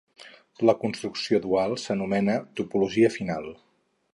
La construcció dual s'anomena topologia final.